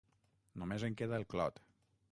Només en queda el clot.